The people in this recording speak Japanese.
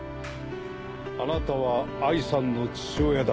あなたは藍さんの父親だ。